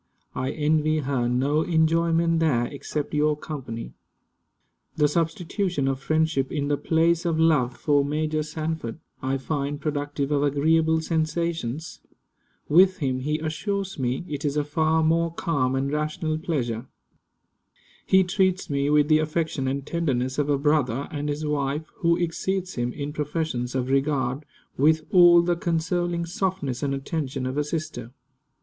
I envy her no enjoyment there, except your company. The substitution of friendship, in the place of love, for Major Sanford, I find productive of agreeable sensations. With him, he assures me, it is a far more calm and rational pleasure. He treats me with the affection and tenderness of a brother, and his wife, who exceeds him in professions of regard, with all the consoling softness and attention of a sister.